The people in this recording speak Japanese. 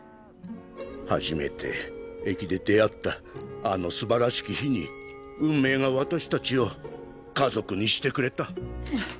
初めて駅で出会ったあのすばらしき日に運命が私たちを家族にしてくれた。